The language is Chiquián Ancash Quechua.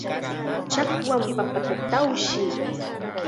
Chakwam papata tawshin.